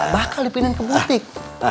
bakal dipindahin ke butik